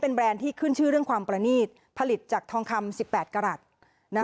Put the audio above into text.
แรนด์ที่ขึ้นชื่อเรื่องความประนีตผลิตจากทองคำ๑๘กรัฐ